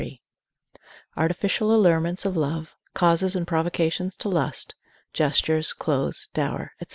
—_Artificial allurements of Love, Causes and Provocations to Lust; Gestures, Clothes, Dower, &c.